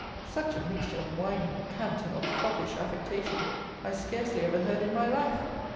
Such a mixture of whining cant and of foppish affectation I scarcely ever heard in my life.